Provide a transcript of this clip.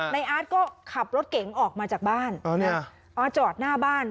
ในอาร์ตก็ขับรถเก๋งออกมาจากบ้าน